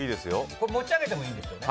持ち上げてもいいんですよね？